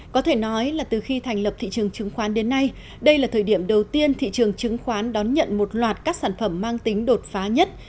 có thể nói là từ khi thành lập thị trường chứng khoán đến nay đây là thời điểm đầu tiên thị trường chứng khoán đón nhận một loạt các sản phẩm mang tính đột phá nhất